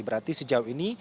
berarti sejauh ini